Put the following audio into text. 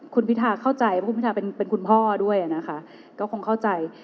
คุณพิทาเข้าใจว่าคุณพิทาเป็นคุณพ่อด้วยนะคะก็คงเข้าใจ